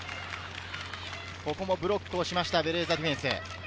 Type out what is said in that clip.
ここもブロックをしました、ベレーザディフェンス。